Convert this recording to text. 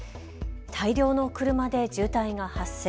大量の車で渋滞が発生。